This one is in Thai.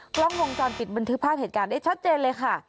กล้องวงจรปิดบันทึกภาพเหตุการณ์ได้ชัดเจนเลยค่ะ